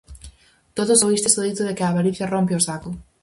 Todos oístes o dito de que "a avaricia rompe o saco".